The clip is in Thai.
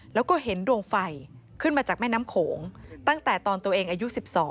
แล้วก็เห็นดวงไฟขึ้นมาจากแม่น้ำโขงตั้งแต่ตอนตัวเองอายุ๑๒